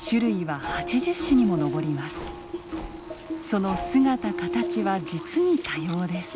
その姿形は実に多様です。